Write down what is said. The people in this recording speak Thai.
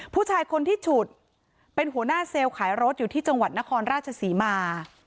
ผู้ชายคนที่ฉุดเป็นหัวหน้าเซลล์ขายรถอยู่ที่จังหวัดนครราชศรีมา